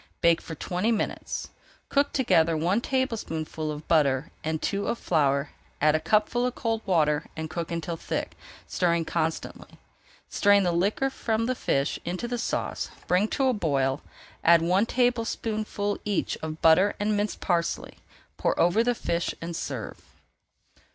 Bake for twenty minutes. Cook together one tablespoonful of butter and two of flour, add a cupful of cold water and cook until thick, stirring constantly. Strain the liquor from the fish into the sauce, bring to the boil, [Page 382] add one tablespoonful each of butter and minced parsley, pour over the fish and serve.